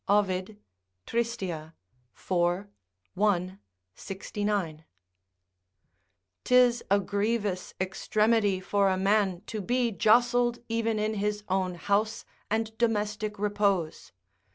Ovid, Trist., iv. I, 69.] 'Tis a grievous extremity for a man to be jostled even in his own house and domestic repose.